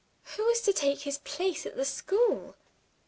"Who is to take his place at the school?"